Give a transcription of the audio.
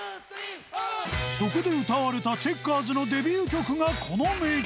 そこで歌われたチェッカーズのデビュー曲がこの名曲。